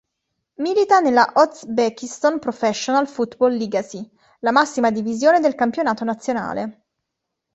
Milita nella Oʻzbekiston Professional Futbol Ligasi, la massima divisione del campionato nazionale.